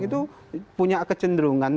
itu punya kecenderungan